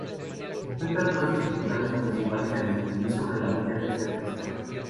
Se encuentran dos dificultades principales al escribir sobre la vida de este artista.